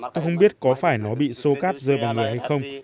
tôi không biết có phải nó bị sô cát rơi vào người hay không